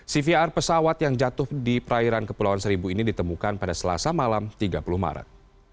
cvr pesawat yang jatuh di perairan kepulauan seribu ini ditemukan pada selasa malam tiga puluh maret